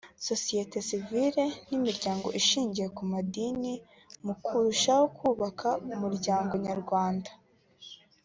sosiyete sivile n’imiryango ishingiye ku madini mu kurushaho kubaka Umuryango nyarwanda